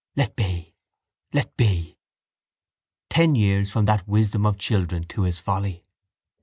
Let be! Let be! Ten years from that wisdom of children to his folly.